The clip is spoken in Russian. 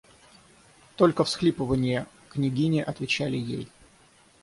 Только всхлипыванья княгини отвечали ей.